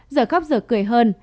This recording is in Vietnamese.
giờ khóc giờ cười hơn